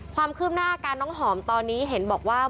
ความคืบหน้าอาการน้องหอมตอนนี้เห็นบอกว่า